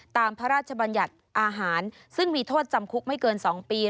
พระราชบัญญัติอาหารซึ่งมีโทษจำคุกไม่เกิน๒ปี